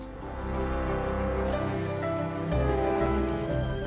jika anggaran tersebut tidak bisa menyebarkan teman teman akan minta dukungan dari karet